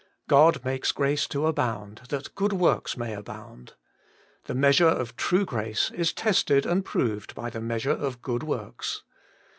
God makes grace to abound, that good works may abound. The measure of true grace is tested and proved by the measure of good works.